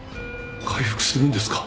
回復するんですか？